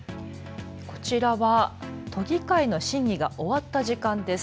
こちらは都議会の審議が終わった時間です。